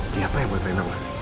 beli apa ya buat rena ma